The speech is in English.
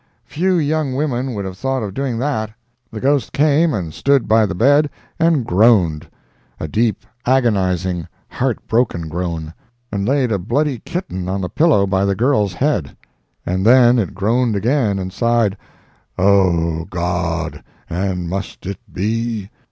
Few young women would have thought of doing that. The ghost came and stood by the bed and groaned—a deep, agonizing, heart broken groan—and laid a bloody kitten on the pillow by the girl's head. And then it groaned again, and sighed, "Oh, God, and must it be?"